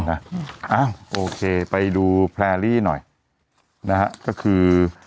นี่แหละอ่าโอเคไปดูหน่อยนะฮะก็คือ